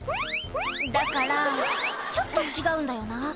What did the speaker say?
「だからちょっと違うんだよな」